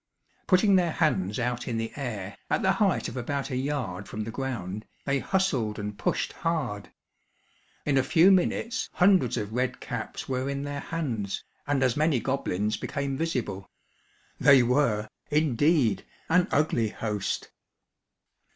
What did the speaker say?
Putting their hands out in the air, at the height of about a yard from the ground, they hustled and pushed hard. In a few minutes, hundreds of red caps were in their hands, and as many goblins became visible. They were, indeed, an ugly host.